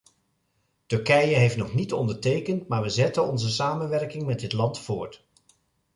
Turkije heeft nog niet ondertekend, maar we zetten onze samenwerking met dit land voort.